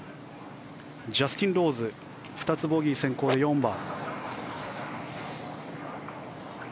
ジャスティン・ローズ２つボギー先行で４番。